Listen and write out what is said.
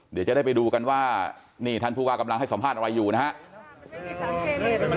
เดี๋ยวจะได้ไปดูกันว่านี่ท่านผู้ว่ากำลังให้สัมภาษณ์อะไรอยู่นะครับ